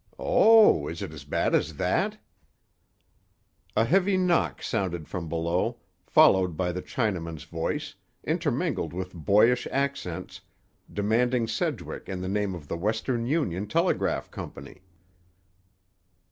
"Oh, is it as bad as that?" A heavy knock sounded from below, followed by the Chinaman's voice, intermingled with boyish accents demanding Sedgwick in the name of the Western Union Telegraph Company.